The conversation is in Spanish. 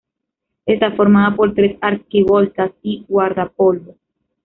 Está formada por tres arquivoltas y guardapolvo.